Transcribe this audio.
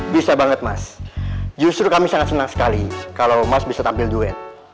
bisa banget mas justru kami sangat senang sekali kalau mas bisa tampil duet